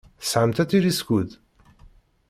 Tesɛamt atiliskud?